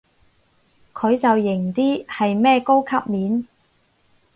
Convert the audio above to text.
佢就型啲，係咩高級面